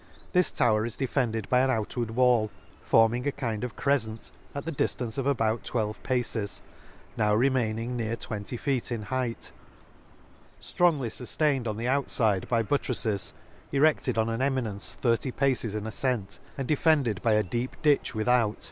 This tower is defended by an outward wall, forming a kind of cref cent, at the diftance of about twelve paces, now remaining near twenty feet in height, ftrongly fuftained on the outfide by bu trafTes, erected on an eminence thirty paces in afcent, and defended by a deep ditch without.